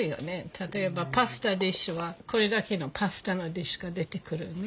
例えばパスタディッシュはこれだけのパスタのディッシュが出てくるね。